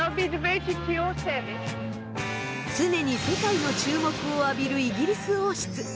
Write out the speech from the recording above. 常に世界の注目を浴びるイギリス王室。